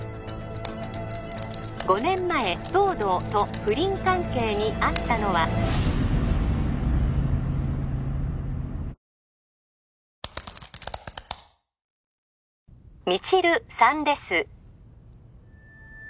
５年前東堂と不倫関係にあったのは未知留さんです